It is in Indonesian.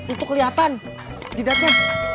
itu kelihatan nidatnya